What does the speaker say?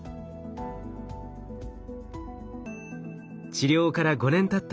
治療から５年たった